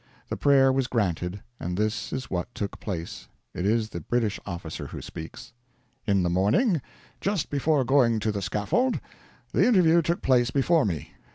The prayer was granted, and this is what took place it is the British officer who speaks: "In the morning, just before going to the scaffold, the interview took place before me.